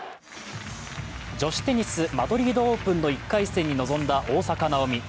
女子テニス、マドリードオープンの１回戦に臨んだ大坂なおみ。